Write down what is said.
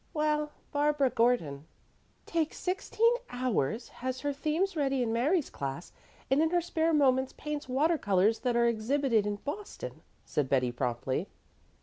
"Well, Barbara Gordon." "Takes sixteen hours, has her themes read in Mary's class, and in her spare moments paints water colors that are exhibited in Boston," said Betty promptly.